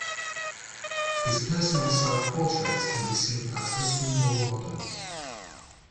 His personal self-portrait can be seen at Istanbul Modern.